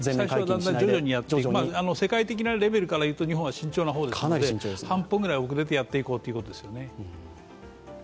徐々にやっていく、世界的なレベルからいうと日本は慎重な方ですので半歩ぐらい遅れてやっていこうっていうことですね。